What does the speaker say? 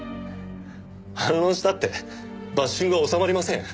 反論したってバッシングは収まりません。